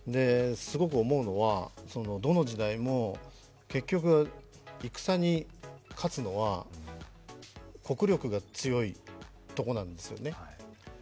すごく思うのはどの時代も結局、戦に勝つのは国力が強いところなんですよね。